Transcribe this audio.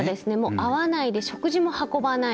会わないで食事も運ばない。